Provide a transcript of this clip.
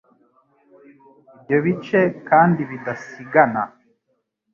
ibyo bice kandi bidasigana.